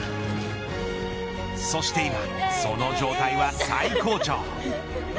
そして今、その状態は最高潮。